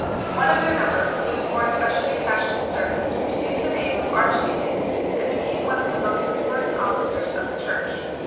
C)ne of their number, who was more especially attached to Jiis service, received the name of archdeacon, and became one of the most important officers of the Church.